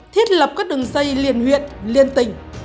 thiết lập các đường dây liên huyện liên tỉnh